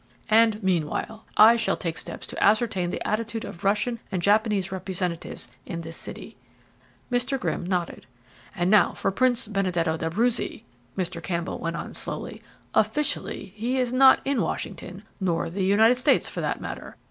"And meanwhile I shall take steps to ascertain the attitude of Russian and Japanese representatives in this city." Mr. Grimm nodded. "And now, for Prince Benedetto d'Abruzzi," Mr. Campbell went on slowly. "Officially he is not in Washington, nor the United States, for that matter.